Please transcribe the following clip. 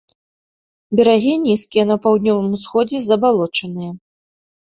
Берагі нізкія, на паўднёвым усходзе забалочаныя.